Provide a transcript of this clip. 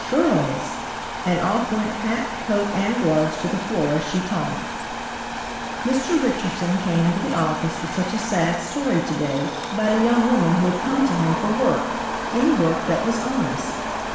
"Girls!" and off went hat, coat and gloves to the floor as she talked. "Mr. Richardson came into the office with such a sad story to day about a young woman who had come to him for work–any work that was honest.